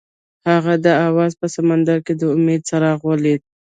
هغه د اواز په سمندر کې د امید څراغ ولید.